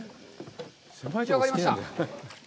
引き上がりました。